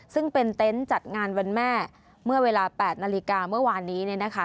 ซึ่งเป็นเต็นต์จัดงานวันแม่เมื่อเวลา๘นาฬิกาเมื่อวานนี้